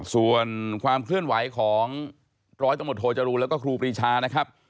ส่วนความเคลื่อนไหวของร้อยตำรวจโทจรูนแล้วก็ครูปรีชานะครับ